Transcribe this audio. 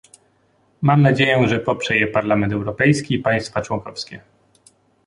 Mam nadzieję, że poprze je Parlament Europejski i państwa członkowskie